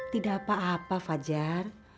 tidak apa apa fajar